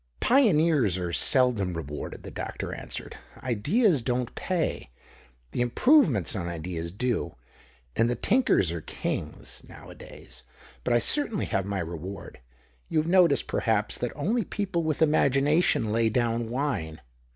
" Pioneers are seldom rewarded," the doctor answered. " Ideas don't pay ; the improve ments on ideas do, and the tinkers are kings nowadays. But I certainly have my reward. You have noticed, perhaps, that only people with imagination lay down wine.